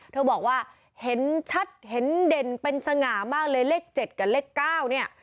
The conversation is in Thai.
เธอบอกว่าเห็นชัดเห็นเด่นเป็นสง่ามากเลยเลข๗กับเลข๙เนี่ย